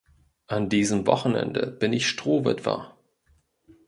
An diesem Wochenende bin ich Strohwitwer.